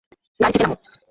গাড়ি থেকে নামো।